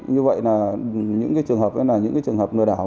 như vậy là những trường hợp này là những trường hợp nội đảo